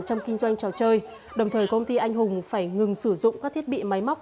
trong kinh doanh trò chơi đồng thời công ty anh hùng phải ngừng sử dụng các thiết bị máy móc